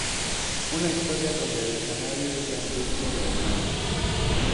Una historia donde el escenario es la industria de la imagen.